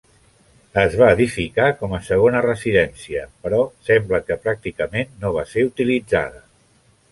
Es va edificar com a segona residència però sembla que pràcticament no va ser utilitzada.